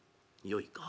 よいか。